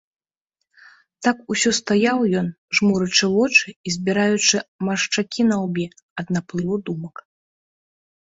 Так усё стаяў ён, жмурачы вочы і збіраючы маршчакі на лбе ад наплыву думак.